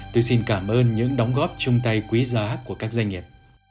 tôi xin cảm ơn những đóng góp chung tay quý giá của các doanh nghiệp